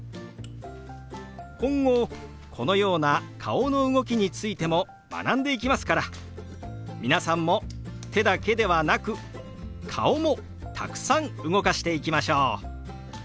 今後このような顔の動きについても学んでいきますから皆さんも手だけではなく顔もたくさん動かしていきましょう。